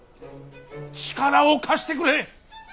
力を貸してくれ。